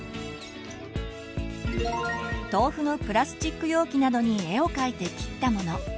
豆腐のプラスチック容器などに絵を描いて切ったもの